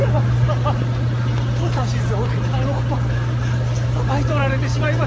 お指図を受けたあの小判奪い取られてしまいました！